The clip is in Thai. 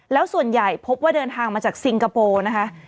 แล้วส่วนใหญ่พบว่าเดินทางมาจากซิงคโปร์นะคะ